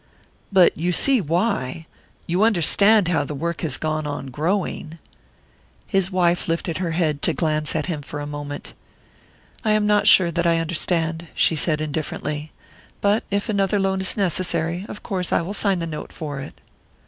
"But you see why? You understand how the work has gone on growing ?" His wife lifted her head to glance at him for a moment. "I am not sure that I understand," she said indifferently; "but if another loan is necessary, of course I will sign the note for it."